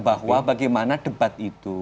bahwa bagaimana debat itu